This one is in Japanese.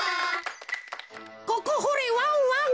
「ここほれワンワン」。